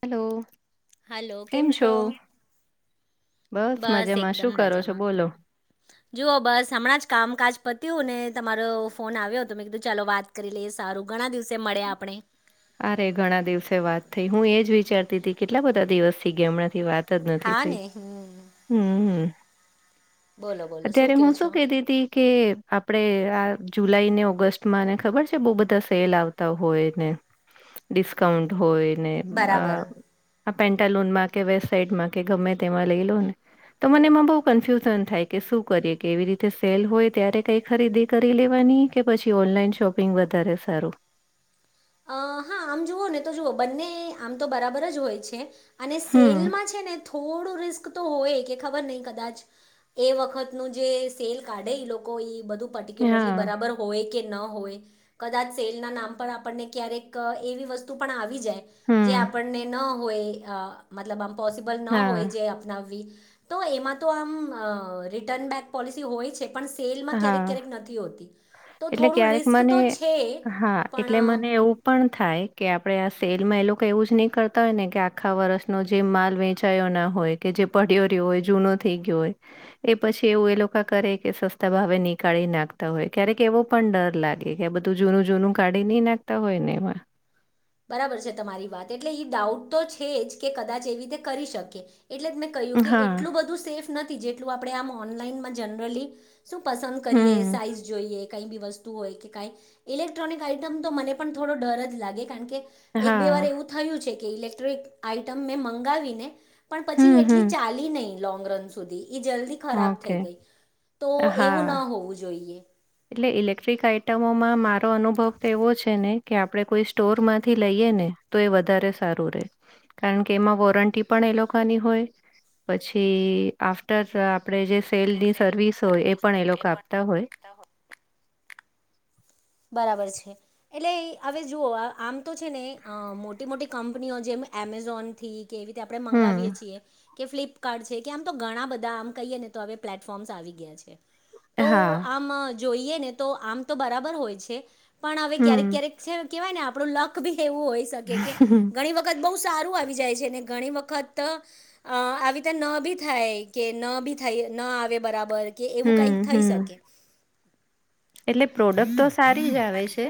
Hello. હાલો કેમ છો? બસ મજામાં શું એકદમ કરો છો મજામાં બોલો જુઓ બસ હમણાં જ કામકાજ પ તેઓને તમારો ફોન આવ્યો હતો મેં કીધું ચાલો વાત કરી લઈએ સારું ઘણા દિવસે મળ્યા આપણે અરે ઘણા દિવસે વાત થઈ હું એજ વિચારતી હતી કેટલા બધા દિવસ થેય હમણાથી વાત તજ નથી હા થઈ ને હમ હમ બોલો બોલો અત્યારે કયો હું છો? શું કેતીતી હતી કે આપડે આ જુલાઈ ને ઓગસ્ટમાં ને ખબર છે, બો બધા સેલ આવતા હોયને ડિસ્કાઉન્ટ હોય ને બરાબર અ પેન્ટાલુનમાં કે વેસ્ટ સાઈડમાં કે ગમે તેમાં લઈ લો ને તો મને એમાં બોવ કન્ફ્યુઝન થાય કે શું કરીએ કેવી રીતે સેલ હોય ત્યારે કઈ ખરીદી કરી લેવાય ની કે પછી ઓનલાઈન શોપિંગ વધારે સારું અ હા આમ જુઓ ને તો જુઓ બંને આમ તો બરાબર જ હોય છે અને હમ, સેલમાં છે, ને થોડું રિસ કત હોય કે ખબર નય કદાચ એ વખત નું જે સેલ કાઢે ઈ લોકો ઈ બધુ પર્ટિક્યુલરલી હા, બરાબર હોય કે ન હોય કદાચ સેલના નામ પર આપણને ક્યારેક એવી વસ્તુ પણ આવી જાય હમ, જે આપણને ન હોય અ મતલબ આમ પોસિબલ ન હોય હા, જે આપનાવી તો એમાં તો આમ અ રિટર્ન બેક પોલિસી હોય છે. પણ સેલમાં ક્યારેક હા, ક્યારેક નથી હોતી તો એટલે થોડું ક્યારેક રિસ્ક મને તો છે, હા, એટલે પણ મને એવું પણ થાય કે આપડે આ સેલમાં એ લોકો એવું જ નહી કરતા હોય ને કે આખા વર્ષનો જે માલ વેચાયો ન હોય કે જે પડ્યો રહ્યો હોય જૂનો થઈ ગયો હોય એ પછી એવું એ લોકો કરે કે સસ ત હવે ની કાઢી નાખતા હોય ક્યારેક એવો પણ ડર લાગે કે આ બધું જૂનું જૂનું કાઢી ની નાખતા હોય. નેમાં બરાબર છે, તમારી વાત એટલે એ ડાઉટ તો છે, જ કે કદાચ એવી રીતે કરી શકે એટલે જ મેં કહ્યું કે હા, એટલું બધું સેફ નથી જેટલું આપણે આમ ઓનલાઈનમાં જનરલી શું પસંદ કરીએ હમ, સાઈઝ જોઈએ. કઈ બી વસ્તુ હોય કે કાઈ ઇલેક્ટ્રોનિક આઈટમ તો મને પણ થોડો ડર જ લાગે કારણ કે એક બે વાર હા, એવું થયું છે, કે ઇલેક્ટ્રોિક આઈટમ મેં મંગાવીને પણ પછી હમ, એટલી હમ, ચાલી નહી લોંગ રન સુધી એ જલ્દી ખરાબ ઓકે, થઈ ગઈ તો એવું હા. ન હોવું જોઈએ એટલે ઇલેક્ટ્રિક આઈટમોમાં મારો અનુભવ તો એવો છે, ને કે આપણે કોઈ સ્ટોરમાંથી લઈએ ને તો એ વધારે સારું રે કારણ કે એમાં વોરંટી પણ એ લોકોની હોય પછી આફ્ટર આપણે જે સેલની સર્વિસ હોય એ પણ એ લોકો આપતા હોય બરાબર છે, એટલે હવે જુઓ આમ તો છે, ને અ મોટી મોટી કંપનીઓ જેમ એ એમેઝોન થી કે એવી રીતે આપણે હમ મગાવીએ છીએ કે ફ્લી કાડૅ છે, કે આમ તો ઘણા બધા આમ કહીએ ને તોવે પ્લેટફોર્મ્સ આવી ગયા છે, તો હા આમ જોઈએ ને તો આમ તો બરાબર હોય છે, પણ હવે હમ ક્યારેક ક્યારેક કેવાય ને આપડું લક બી એવું હોય શકે કે ઘણી વખત બોવ સારું આવી જાય છે. ઘણી વખત અ આવી રીતે ન બી થાય કે ન બી થાય ન આવે બરાબર કે એવું હમ કઈક થઈ હમ શકે એટલે પ્રોડક્ટ તો સારી જ આવે છે,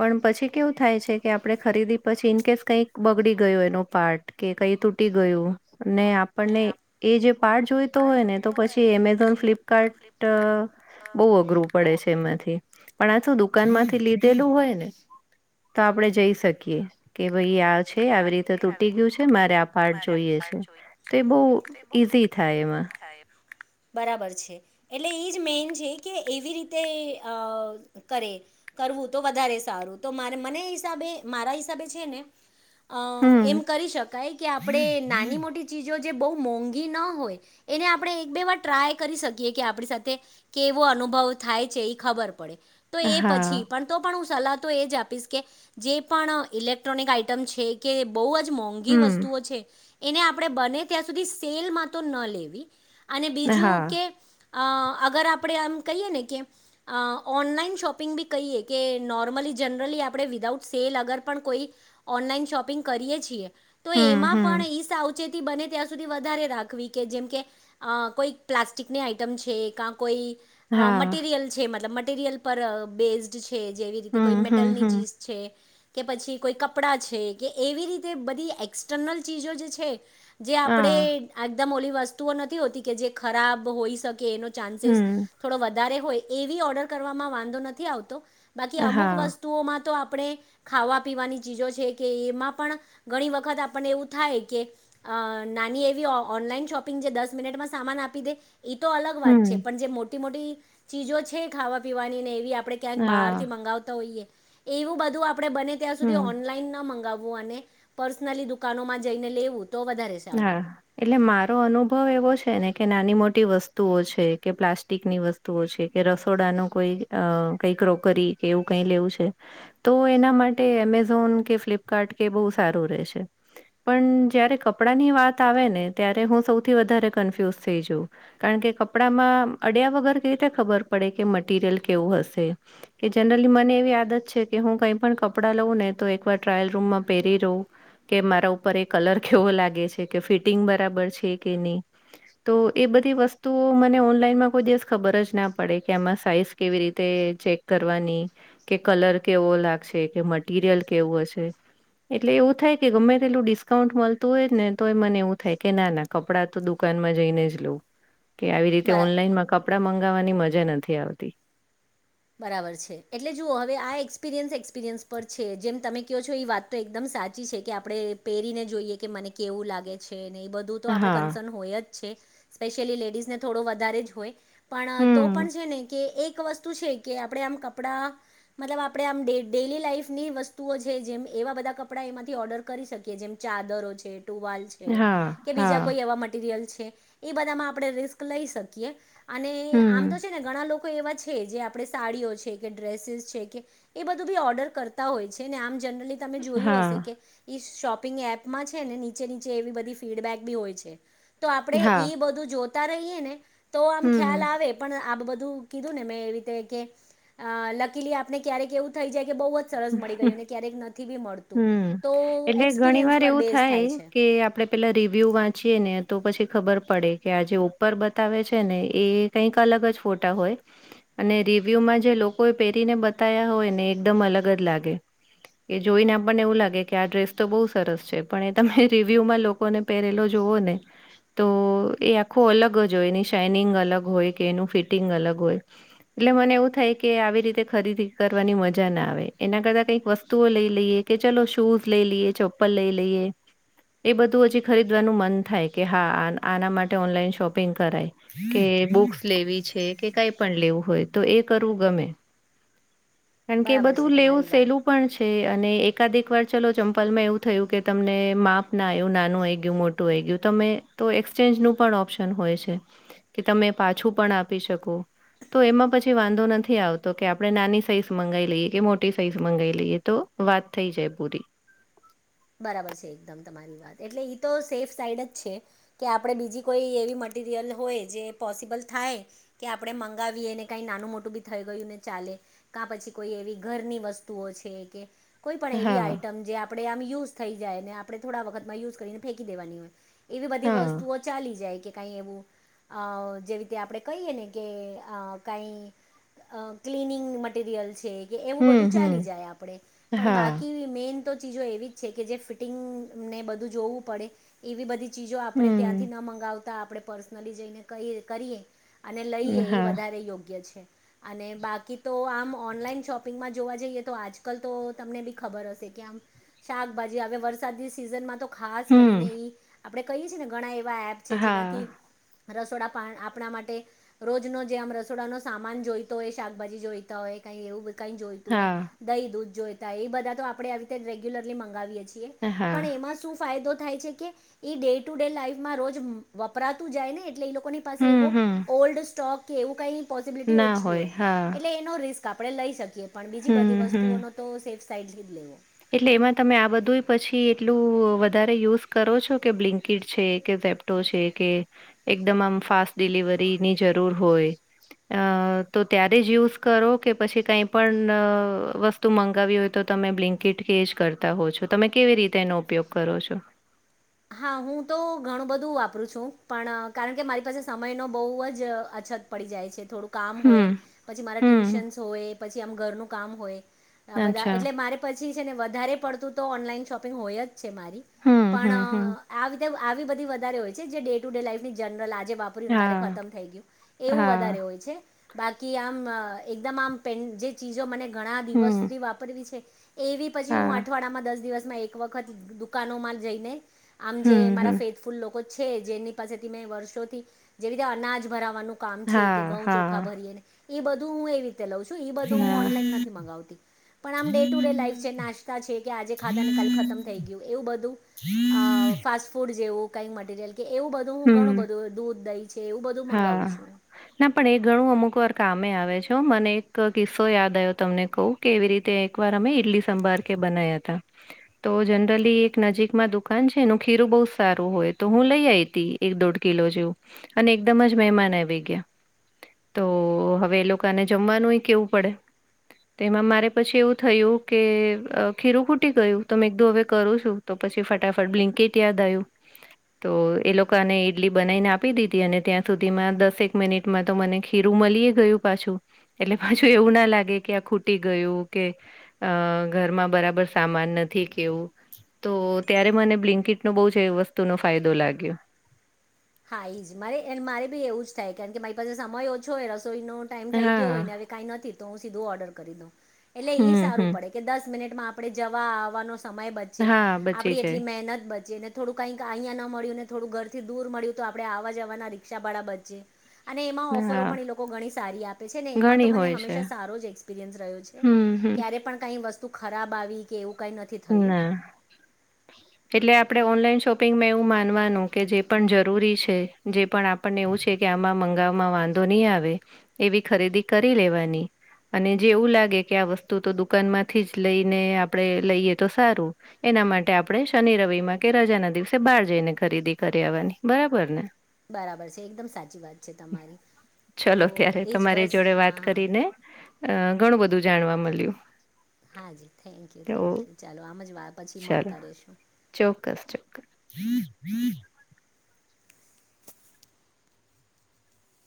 પણ પછી કેવું થાય છે કે આપડણે ખરીદી પછી ઇન કેસ કઈક બગડી ગયો એનો પાર્ટ કે કઈ તૂટી ગયું ને આપણને એ જે પાર્ટ જોઈતો હોય ને તો પછી એમેઝોન ફ્લિપકાર્ટ બહુ અઘરું પડે છે એમાંથી પણ આછું દુકાન માંથી લીધેલું હોય ને તો આપણે જઈ શકીએ કેમ ભાઈ આ છે આવી રીતે તૂટી ગયું છે મારે આ પાર્ટ જોઈએ છે તો એ બહુ ઈઝી થાય એમાં બરાબર છે એટલે એ જ મેન છે કે એવી રીતે અ કરે કરવું તો વધારે સારું તો મારે મને હિસાબે મારા હિસાબે છે ને અ એમ હમ કરી શકાય કે આપણે નાની મોટી ચીજો જે બઉ મોંઘીના હોય એને આપણે એક બે વાર ટ્રાય કરી શકીએ કે આપણી સાથે કેવો અ અનુભવ થાય છે એ ખબર પડે તો એ પછી હા પણ તો પણ હું સલાહ તો એ જ આપીશ કે જે પણ ઇલેક્ટ્રોનિક આઈ ટમ છે કે બઉ જ મોંઘી હમ વસ્તુઓ છે એને આપણે બને ત્યાં સુધી સેલમાં તો ન લેવી અને હા બીજું કે અ અગર આપણે આમ કહીએ ને કે ઓનલાઈન અ શોપિંગ બી કહીએ કે નોર્મલી જનરલી આપણે વિધાઉત સેલ અગર પણ કોઈ ઓનલાઈન શોપિંગ કરીએ છીએ તો હમ એમાં પણ હમ ઈ સાવ ચેતી બને ત્યાં સુધી વધારે રાખવી કે જેમ કે કોઈ પ્લાસ્ટિકની આઈટમ છે કા કોઈ હા મટીરિયલ છે મતલબ મટરિયલ પર બેઝડ છે છે જેવી રીતે હમ કોઈ હમ મેટલની હમ ચીઝ છે કે પછી કોઈ ક કપડાં છે કે એવી રીતે બધી એક્સટર્નલ ચીજો જે છે જે હા આપણે એકદમ ઓલી વસ્તુઓ નથી હોતી કે જે ખરાબ હોઈ શકે એનો ચાન્સીસ હમ, થોડો વધારે હોય એવી ઓર્ડર વાંધો નથી આવતો બાકી અમુક હા, વસ્તુઓમાં તો આપણે ખાવા પીવાની ચીજો છે કે એમાં પણ ઘણી વખત આપને એવું થાય કે અ નાની એવી ઓનલાઈન શોપિંગ જે દસ મિનિટમાં સામાન આપી દે એ તો અલગ વાત છે હમ, પણ જે મોટી મોટી ચીજો છે ખાવા પીવાની ને એવી આપણે આપણે હા, બારથી મંગાવતા હોઈએ એવું બધું આપડે બને ત્યાં સુધી હમ, ઓનલાઈન મંગાવું અને પર્સનલી દુકાનોમાં જઈને લેવું તો વધારે સારું હા એટલે મારો અનુભવ એવો છે ને કે નાની મોટી વસ્તુઓ છે કે પ્લાસ્ટિકની વસ્તુઓ છે કે રસોડાનો કોઈ અ કઈક ક્રોકરી કે એવું ક લેવું છે તો એના માટે એમેઝોન કે ફ્લિપકાર્ટ કે બઉ સારું રહે છે પણ જ્યારે કપડાની વાત આવે ને ત્યારે હું સૌથી વધારે કન્ફ્યુઝ થઈ જાઉ કારણ કે કપડામાં અડ્યા વગર કેવી રીતે ખબર પડે કે મટીરિયલ કેવું હશે કે જનરલી મને એવી આદત છે કે હું કઈ પણ કપડા લવું ને તો એકવાર ટ્રાયલ રૂમમાં પહેરી રહું કે મારા ઉપર એ કલર કેવો લાગે લાગે છે કે ફિટિંગ બરાબર છે કે નહી તો એ બધી વસ્તુઓ મને ઓનલાઈનમાં કોઈ દિવસ ખબર જ ના પડે કે આમાં સાઈઝ કેવી રીતે ચેક કરવાની કે કલર કેવો લાગશે કે મટીરિયલ કેવું હશે એટલે એવું થાય કે ગમે તેટલું ડિસ્કાઉન્ટ મલતું હોય ને તો એ મને એવું થાય કે ના ના કપડાં તો દુકાનમાં જઈને જ લઉ કે આવી રીતે બરા ઓનલાઈનમાં કપડા મંગાવવાની મજા નથી આવતી બરાબર છે એટલે જુઓ હવે આ એક્સપિરિયન્સ એક્સપિરિયન્સ પર છે જેમ તમે ક્યો છો એ વાત તો એકદમ સાચી છે કે આપણેે પહેરીને જોઈએ કે મને કેવું લાગે છે બધું તો આપ હા, કન્સન હોય જ સ્પેશયલી લેડીઝને થોડો વધ જ હોય પણ તો હમ, પણ છે ને કે એક વસ્તુ છે કે આપણેે આમ કપડા મતલબ આપણે આમ ડે ડેલી લાઈફ ની વસ્તુઓ છે જેમ એવા બધા કપડા માંથી ઓર્ડર કરી શકી જેમ ચાદરો છે ટુવાલ છે હા, કે બીજા હા, કોઈ એવા મટીરયલ છે એ બધા આપણે રિસ્ક લઈ શકીએ અને આમ હમ, તો છે ને ઘણા લોકો એવા છે જે આપડે સાડીઓ છે કે ડ્રેસીસ છે કે એ બધું બી ઓર્ડર કરતા હોય છે ને આમ જનરલી તમે જોયું હા, હશે કે ઈ શોપિંગ એપમાં છે ને નીચે નીચે એવી બધી ફીડબેક બી હોય છે તો આપણે હા, ઈ બધું જો તા રહીએ ને તો આમ હમ, ખ્યાલ આવે પણ આ બધું કીધું ને મેં એ રીતે અ લકીલી આપને ક્યારેક એવું થઈ જાય બહુ જ સરસ મળી ગયુંને ક્યારેક નથી બી મળતું હમ. તો એક્સપિરિયન્સ પર બેઝ થાય છે. આપણે પેલા રિવ્યુ વાંચીએ ને તો પછી ખબર પડે કે આ જે ઉપર બતાવે છે ને એ કંઈક અલગ જ ફોટા હોય. અને રિવ્યુમાં જે લોકો એ પહેરીને બતા્યા હોય ને એકદમ અલગ જ લાગે. એ જોઈને આપણને એવું લાગે કે આ ડ્રેસ તો બહુ સરસ છે પણ એ તમે રિવ્યુમાં લોકોને પહેરેલો જો જોઓને. તો એ આખો અલગ જ હોય એની શાઇનિંગ અલગ હોય કે એનું ફિટિંગ અલગ હોય. એટલે મને એવું થાય કે આવી રીતે ખરીદી કરવાની મજા ના આવે. એના કરતા કંઈક વસ્તુઓ લઈ લઈએ કે ચલો શૂઝ લઈ લઈએ ચપ્પલ લઈ લઈએ. એ બધું હજી ખરીદવાનું મન થાય કે હા આના માટે ઓનલાઈન શોપિંગ કરાય કે બુક્સ લેવી છે કે કઈ પણ લેવું હોય તો એ કરવું ગમે. કારણ કે એ બરાબર છે. બધું લેવું તમારી વાત સેલું પણ છે. અને એકાદ એક વાર ચલો ચંપલમાં એવું થયું કે તમને માપ ના આવ્યું નાનું આઈ ગયું મોટું આઈ ગયું. તમે તો એક્સચેન્જનું પણ ઓપ્શન હોય છે કે તમે પાછું પણ આપી શકો. તો એમાં પછી વાંધો નથી આવતો કે આપડે નાની સાઈઝ મંગાવી લઈએ. કે મોટી સાઈઝ મંગાવાઈ લઈએ તો વાત થઈ જાય પૂરી. બરાબર છે એકદમ તમારી વાત એટલે ઈ તો સેફ સાઈડ જ છે કે આપડે બીજી કોઈ એવી મટ મટિરિયલ હોય જે પોસિબલ થાય કે આપણે મંગાવીએને કાંઈ નાનું મોટું બી થઈ ગયું ને ચાલે. કા પછી કોઈ એવી ઘરની વસ્તુઓ છે કે કોઈ પણ એવી હા, આઈટમ જે આપણે આમ યુઝ થઈ જાય ને આપણે થોડા વખતમાં યુઝ કરીને ફેંકી દેવાની હોય. એવી બધી હા. વસ્તુઓ ચાલી જાય કે થાય એવું જેવી રીતે આપણે કહીએ ને કે અ કઈ અ ક્લીનિંગ મટીરિયલ છે. એવું હમ, બધું ચાલી હમ. જાય આપે પણ હા. બાકી મેન તો ચીજો એવી જ છે કે જે ફિટિંગને બધું જોવું પડે એવી બધી ચીજો આપણે હમ. ત્યાંથી ન મંગાવ આપણે પર્સનલી જઈને કહી કરીએ અને લઈએ એ હા. વધારે યોગ્ય છે. અને બાકી તો આમ ઓનલાઈન શોપિંગમાં જોવા જઈએ તો આજકાલ તો તમને બી ખબર હશે. શાકભાજી હવે વરસાદ સિઝનમાં તો ખાસ કરીને હમ. એ આપડે કહીએ છીએ ને ઘણા એપ છે જેનાથી હા, રસોડા પા આપણા માટે રોજનો જે આમ રસોડાનો સામાન જોઈતો હોય શાકભાજી જોઈતા હોય. એવું કઈ જોઈતું હા, હોય દહી દૂધ જોયતા એ બધા તો આપણે આવી રીતે રેગ્યુલરલી મંગાવીએ. પણ હા. એમાં શું ફાયદો થાય છે કે ડે ટુ ડે લાઈફમાં રોજ વપરાતું જાય ને એટલે એ લોકો ની પાસે એવો હમ, હમ. ઓલ્ડ સ્ટોક કે એવું કઈ પોસિબિલિટી ના ઓછી હોય હા. એટલે એનો રિસ્ક આપણે લઈ શકીએ. પણ બીજી હમ, બધી હમ. વસ્તુઓનો તો સેફ સાઈડથી જ લેવો. એટલે એમાં તમે આ બધું પછી એટલું વધારે યુઝ કરો છો કે બ્લિન્કીટ છે કે સેપ્ટો છે કે એકદમ આમ ફાસ્ટ ડિલિવરીની જરૂર હોય. અ તો ત્યારે જ યુઝ કરો કે પછી કઈ પણ વસ્તુ મંગાવી હોય તો તમે બ્લિંક કિટકે જ કરતા હો છો તમે કેવી રીતે એનો ઉપયોગ કરો છો? હા હું તો ઘણું બધું વાપરું છું. પણ કારણ કે મારી પાસે સમય નો બહુ જ અછ છત પડી જાય છે થોડું કામ હોય હમ, પછી મારા હમ, ટ્યુશન્સ હોય પછી આમ ઘરનું કામ હોય. આ બધા અચ્છા. એટલે મારે પછી છે ને વધારે પડતું તો ઓનલાઈન શોપિંગ હોય જ. છે મારી. હમ, હમ, હમ. આવી બધ વધારે હોય છે જે ડે ટુ ડે લાઈફની જનરલ જે આજ વાપરું ને કલે હા, ખતમ થી ગયું એવું હા, વધારે હોય છે બાકી આમ એકદમ આમ પેન જે ચીજો મને ઘણા દિવસ હમ, સુધી વાપરવી છે એવી પછી હું હા, અઠવાડિયામાં દસ દિવસમાં એક વખત દુકાનોમાં જઈને આમ જે હમ, મારા હમ. ફેથફૂલ લોકો છે જેની પાસેથી મેં વર્ષોથી જેવી રીતે અનાજ ભરાવવાનું કામ છે કે હા, ઘઉં ચોખા હા, ભરીએ ને એ બધું હું એ ર લઉ છું. બધું ના. ઓનલાઈન નથી મગાવતી. પણ આમ ડે ટુ ડે લાઈફ છે નાસ્તા છે કે આજે ખાધા ક ખતમ થઈ ગયું એવું બધું અ ફાસ્ટ ફૂડ જેવું કઈ મટીરિયલ. કે એવું બધું હું ઘણું હમ્મ, બધું દૂધ દઈ છે, એવું બધું મંગાવું હા. છું. મે આવેો મને એક કિસ્સો યાદ આવ્યો તમને કહું કે, એવી રીતે એક વાર અમે ઇડલી સંભાર કે બ. તો જનરલી એક નજીકમાં દુકાન છે એનું ખીરું બહુ સારું હોય, તો હું લઈ આવીઈ. એક દોઢ કિલો જેવું અને એકદમ જ મહેમાન આવી ગયા. તો હવે એ લોકોને જમવાનું એ કેવું પડે તો એમાં મારે પછી એવું થયું કે ખીરું ખૂટી ગયું, તમે એક દો હવે કરું છું તો. પછી ફટાફટ બ્લકેટ યાદ આવ્યું, તો એ લોકો ને ઈડલી બનાવીને આપી દીધી અને ત્યાં સુધીમાં દસેક મિનિટમાં તો મને ખીરું મળી ગયું પાછું. એટલેુ એવું ના લાગે કે આ ખૂટી ગયું કે ઘરમાં બરાબર મન નથી કેવું તો ત્યારે મને બ્લિન્કીટ નો બહ જ વસ્તુ નો ફાયદો લાગ્યો. હા એ જ મારે મારે બી એવું જ થાય કારણ કે મારી પાસે સમય ઓછો હોય રસ્. નો ટાઈમ થઈ ગયો હા હોય ને હવે કઈ નથી તો હું, સીધો ઓર્ડર કરી એટલે ઈ હમ સારું હમ પડે કે દસ મિનિટમાં આપણે જવા આવવાનો સમય બચે હા બચી આપડી એટલી મહેનત બચે ને થોડું કઈક અહંયા ન મળ્યું ને થોડું ઘરથી દૂર મળ્યું. તો આપડણે આવા જવા રિક્ષા ભાળા બચે. અને એમાં જાય ઓફરો હા પણ એ લોકો ઘણી સારી આપે છે, ને એમાં તો ઘણી મને હોય છે હંમેશા સારો જ એક્સપિરિયન્સ રહ્યો છે. હમ હમ ક્યારે પણ કઈ વસ્તુ ખરાબ આવી કે એવું. કાંઈ નથી થયું ના એટલે આપડ ઓનલાઈન શોપ પિંગમાં એવું માનવાનું કે જે પણ જરૂરી છે, જે પણ આપણને એવું છે, કે આમાં મંગાવવામાં વાંધો. ન આવે એવી ખરીદી કરી લેવાની. અને જે એવું લાગે કે આ વસ્તુ તો દુકાન માંથી જ લઈને આપડે લઈએ. તો સારું એના માટે આપણે શનિ રવિ માં કે રજાના દિવસે બહાર જઈને ખરીદી કરી આવવાની બ. બરાબર ને. બરાબર છે એકદમ સાચી વાત છે તમારી. તો ચલો ત્યારે એ જ તમારી બસ જોડે વાત હા હા કરીને અ ઘણું બધું જાણવા મળ્યું. હા જી થેન્ક યુ તો થેન્ક યુ ચાલો આમ જ વા પછી ચાલો મળતા રશું. ચોક્કસ [inaudible]